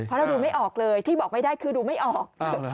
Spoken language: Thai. เพราะเราดูไม่ออกเลยที่บอกไม่ได้คือดูไม่ออก